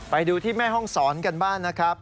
ไปดูที่แม่ห้องศรกันบ้างนะครับ